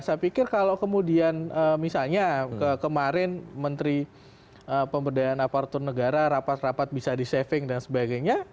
saya pikir kalau kemudian misalnya kemarin menteri pemberdayaan aparatur negara rapat rapat bisa di saving dan sebagainya